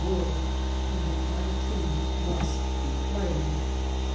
^ were, in which my tune must be played.